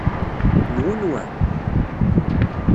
Nwen wa?